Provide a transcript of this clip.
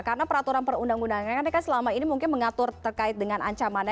karena peraturan perundang undangannya kan selama ini mungkin mengatur terkait dengan ancaman